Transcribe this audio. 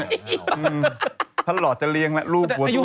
เออท่านหลอดจะเลี้ยงแหละลูกหัวตัว